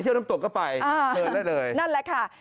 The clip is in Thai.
สุดยอดดีแล้วล่ะ